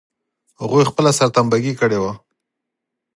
هغوی خپله سرټمبه ګي کړې وه.